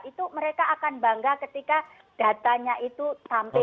itu mereka akan bangga ketika datanya itu sampai